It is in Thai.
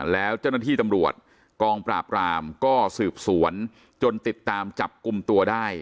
แล้วเจ้าหน้าที่ตำรวจกองปราบรามก็สืบสวนจนติดตามจับกลุ่มตัวได้